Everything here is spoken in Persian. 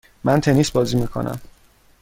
من تنیس بازی میکنم.